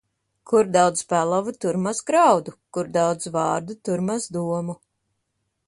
Kur daudz pelavu, tur maz graudu; kur daudz vārdu, tur maz domu.